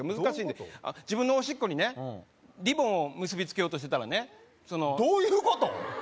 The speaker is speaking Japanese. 難しいんで自分のオシッコにねリボンを結びつけようとしてたらねどういうこと？